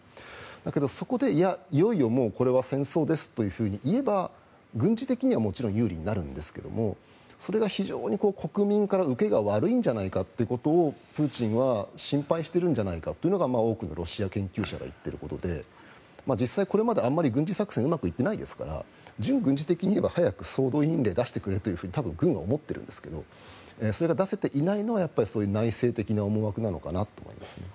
だけどそこで、いや、いよいよこれはもう戦争ですといえば軍事的にはもちろん有利になるんですがそれが非常に国民から受けが悪いんじゃないかということをプーチンは心配しているんじゃないかというのが多くのロシア研究者が言っていることで実際これまであまり軍事作戦はうまくいっていないですから軍事的には早く総動員令を出してくれと多分軍は思っているんですけどそれが出せていないのは内省的な思惑なのかなと思いますね。